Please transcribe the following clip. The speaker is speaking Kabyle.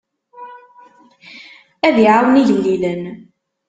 Ad iɛawen igellilen.